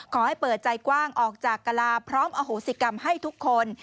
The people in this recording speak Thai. ขอให้เปิดใจกว้างออกจากกะลาพร้อมอโหสิกรรมให้ทุกคน